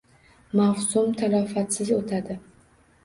Mavsum talafotsiz o‘tadi